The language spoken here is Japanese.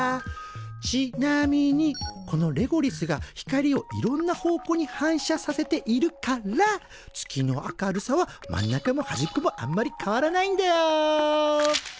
ちなみにこのレゴリスが光をいろんな方向に反射させているから月の明るさは真ん中もはじっこもあんまり変わらないんだよ。